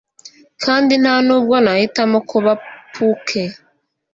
Kandi nta nubwo nahitamo kuba puke